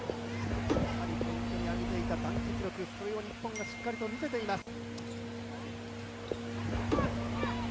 ポイントに挙げていた団結力、それを日本がしっかり見せています。